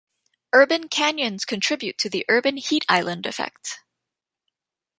Urban canyons contribute to the urban heat island effect.